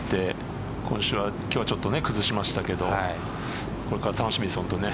今週はちょっと崩しましたけどこれから楽しみですね。